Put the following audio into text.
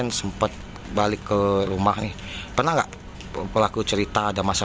nah waktu suami ditangkap reaksi kita apa sih